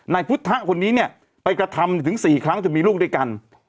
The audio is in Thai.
นายพุทธคนนี้เนี่ยไปกระทำถึง๔ครั้งจนมีลูกด้วยกัน